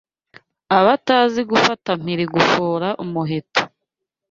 abatabazi gufata mpiri gufora umuheto